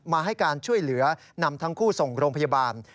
ให้การช่วยเหลือนำทั้งคู่ส่งโรงพยาบาล